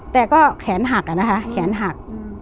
แต่ก็แขนหักอะนะคะ